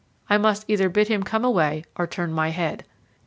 I must either bid him come away or turn my head.